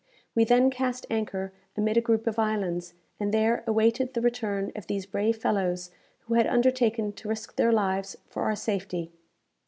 We then cast anchor amid a group of islands, and there awaited the return of these brave fellows who had undertaken to risk their lives for our safety.